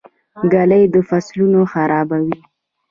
ږلۍ فصلونه خرابوي.